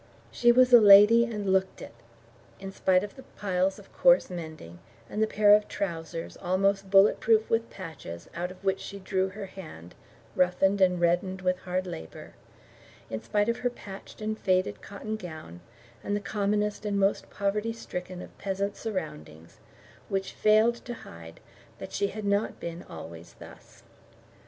She was a lady, and looked it, in spite of the piles of coarse mending, and the pair of trousers, almost bullet proof with patches, out of which she drew her hand, roughened and reddened with hard labour, in spite of her patched and faded cotton gown, and the commonest and most poverty stricken of peasant surroundings, which failed to hide that she had not been always thus.